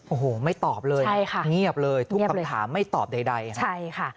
โอ้โหไม่ตอบเลยใช่ค่ะเงียบเลยทุกคำถามไม่ตอบใดใช่ค่ะ